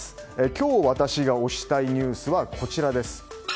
今日、私が推したいニュースはこちら。